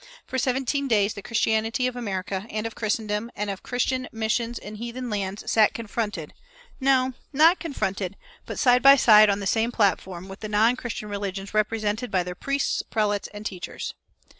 For seventeen days the Christianity of America, and of Christendom, and of Christian missions in heathen lands, sat confronted no, not confronted, but side by side on the same platform with the non Christian religions represented by their priests, prelates, and teachers.